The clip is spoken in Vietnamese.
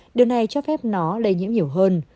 điều này cho phép nó lây nhiễm nhiều hơn